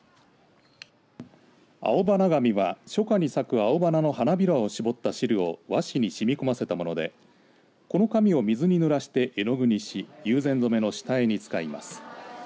青花紙は初夏に咲くアオバナの花びらを絞った汁を和紙に染み込ませたものでこの紙を水にぬらして絵の具にし友禅染の下絵に使います。